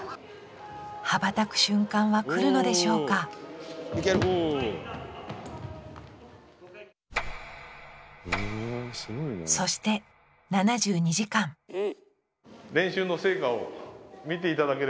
羽ばたく瞬間は来るのでしょうかそして７２時間ああ。